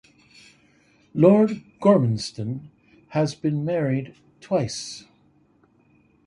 Lord Gormanston has been married twice.